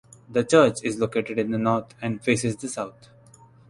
The church is located in the north and faces the south.